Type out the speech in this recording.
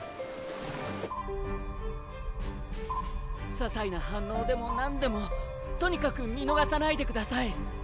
ささいな反応でも何でもとにかく見逃さないでください！